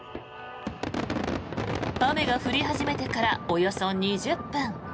雨が降り始めてからおよそ２０分。